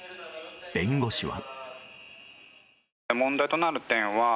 弁護士は。